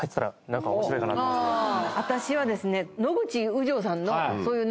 私はですね。